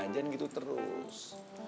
jangan gitu terus